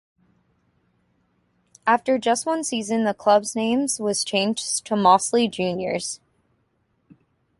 After just one season the club's name was changed to Mossley Juniors.